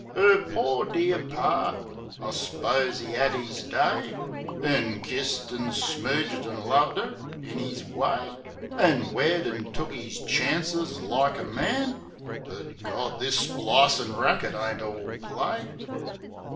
'Er "pore dear Par" ... I s'pose 'e 'ad 'is day, An' kissed an' smooged an' loved 'er in 'is way. An' wed an' took 'is chances like a man — But, Gawd, this splicin' racket ain't all play.